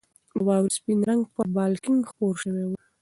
د واورې سپین رنګ پر بالکن خپور شوی و.